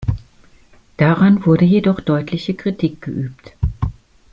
Daran wurde jedoch deutliche Kritik geübt.